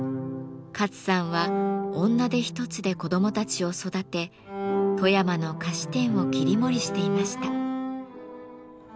カツさんは女手一つで子どもたちを育て富山の菓子店を切り盛りしていました。